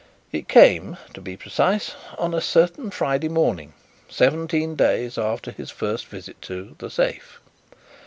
It came, to be precise, on a certain Friday morning, seventeen days after his first visit to "The Safe."